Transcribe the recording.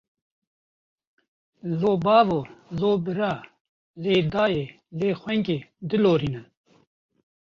Lo bavo, lo bira, lê dayê, lê xungê, dilorînin.